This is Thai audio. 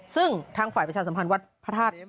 ซึ่งทางฝ่ายประชาสัมพันธ์วัดพระธาตุ